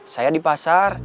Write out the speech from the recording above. saya di pasar